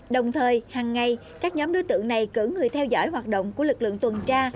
đồng thời hằng ngày các nhóm đối tượng này cử người theo dõi hoạt động của lực lượng tuần tra